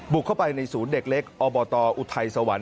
เข้าไปในศูนย์เด็กเล็กอบตอุทัยสวรรค์